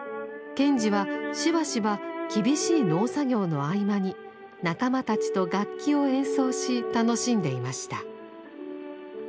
賢治はしばしば厳しい農作業の合間に仲間たちと楽器を演奏し楽しんでいました。